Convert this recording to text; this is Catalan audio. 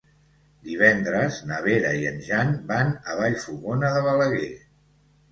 Divendres na Vera i en Jan van a Vallfogona de Balaguer.